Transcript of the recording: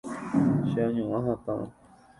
cheañua hatã